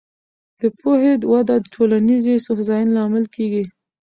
د پوهې وده د ټولنیزې هوساینې لامل کېږي.